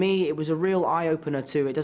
jadi bagi saya itu adalah penutup mata yang benar